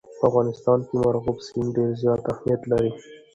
په افغانستان کې مورغاب سیند ډېر زیات اهمیت لري.